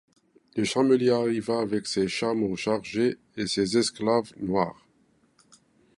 Le chamelier arriva avec ses chameaux chargés et ses esclaves noirs.